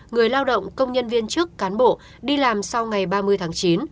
người lao động công nhân viên trước cán bộ đi làm sau ngày ba mươi tháng chín